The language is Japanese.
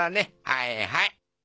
はいはい。